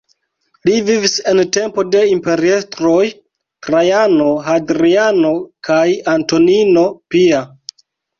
Li vivis en tempo de imperiestroj Trajano, Hadriano kaj Antonino Pia.